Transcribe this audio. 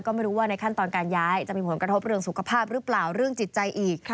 ก็ไม่รู้ว่าในขั้นตอนการย้ายจะมีผลกระทบเรื่องสุขภาพหรือเปล่าเรื่องจิตใจอีก